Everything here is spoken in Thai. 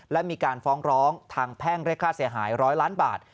และมีการฟ้องร้องทางแพ่งเรียกค่าเสียหาย๑๐๐ล้านบาท